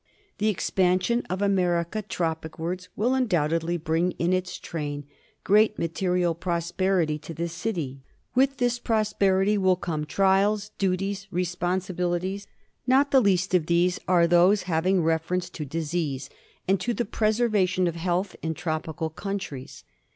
The expansion of America tropicwards will undoubt edly bring in its train great material prosperity to this city. With this prosperity will come trials, duties, responsibilities. Not the least important of these are those having reference to disease and to the preserva tion of health in tropical countries.